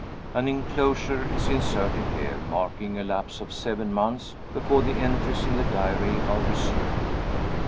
(An inclosure is inserted here, marking a lapse of seven months, before the entries in the diary are resumed.